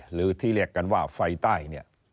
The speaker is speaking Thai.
หรือที่เรียกกันว่าไฟใต้เนี่ย